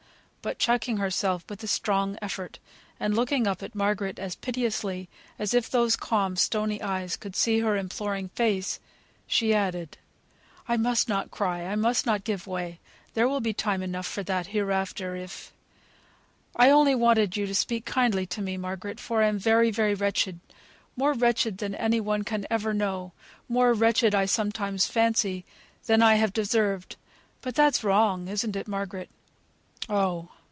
But checking herself with a strong effort, and looking up at Margaret as piteously as if those calm, stony eyes could see her imploring face, she added, "I must not cry; I must not give way; there will be time enough for that hereafter, if I only wanted you to speak kindly to me, Margaret, for I am very, very wretched; more wretched than any one can ever know; more wretched, I sometimes fancy, than I have deserved, but that's wrong, isn't it, Margaret? Oh!